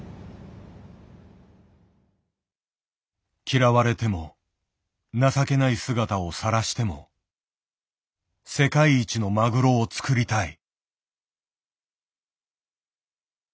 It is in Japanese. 嫌われても情けない姿をさらしても世界一のマグロを作りたい。